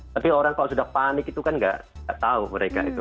tapi orang kalau sudah panik itu kan nggak tahu mereka itu